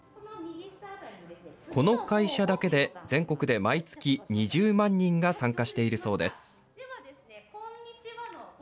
この会社だけで全国で毎月２０万人が参加しているそうです。